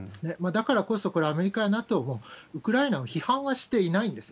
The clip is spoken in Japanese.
だからこそ、これ、アメリカ、ＮＡＴＯもウクライナを批判はしていないんです。